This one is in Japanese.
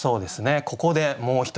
ここでもう一つ。